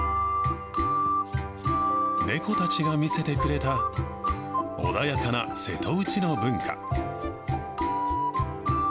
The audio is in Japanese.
猫たちが見せてくれた穏やかな瀬戸内の文化。